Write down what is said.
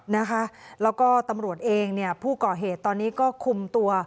นะคะแล้วก็ตำรวจเองเนี่ยผู้ก่อเหตุตอนนี้ก็คุมตัว